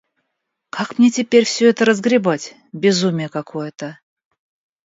Как мне теперь все это разгребать? Безумие какое-то.